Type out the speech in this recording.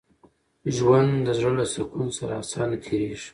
ژوند د زړه له سکون سره اسانه تېرېږي.